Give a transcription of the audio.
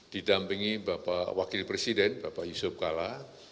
didampingi wakil presiden bapak yusuf kala